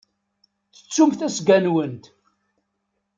Tettumt asga-nwent.